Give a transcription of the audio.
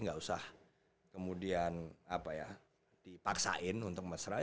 gak usah kemudian apa ya dipaksain untuk mesra